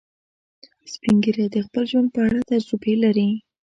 سپین ږیری د خپل ژوند په اړه تجربې لري